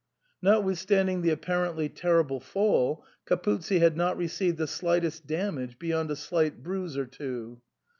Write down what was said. Notwithstanding the apparently terrible fall, Capuzzi had not received the slightest damage beyond a slight bruise or two.